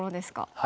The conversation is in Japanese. はい。